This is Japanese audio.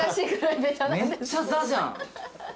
めっちゃ「ザ」じゃん。